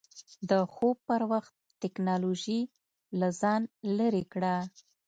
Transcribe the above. د خوب پر وخت ټېکنالوژي له ځان لرې کړه.